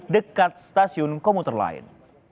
dekat stasiun komuter lain